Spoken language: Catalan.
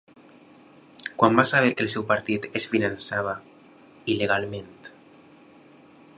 Quan va saber que el seu partit es fiançava il·legalment?